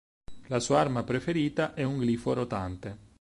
La sua arma preferita è un glifo rotante.